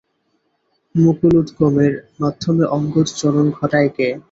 মুকুলোদগমের মাধ্যমে অঙ্গজ জনন ঘটায় কে?